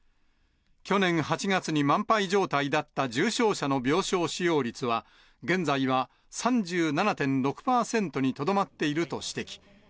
去年８月に、満杯状態だった重症者の病床使用率は、現在は３７．６％にとどまっていると指摘。